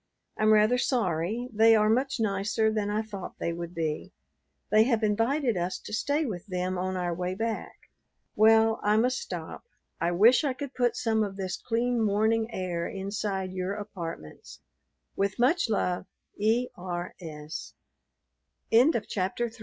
I'm rather sorry; they are much nicer than I thought they would be. They have invited us to stay with them on our way back. Well, I must stop. I wish I could put some of this clean morning air inside your apartments. With much love, E. R. S. IV CRAZY OLAF AND OTHERS IN CAMP, August 31, 1914. DEAR MRS.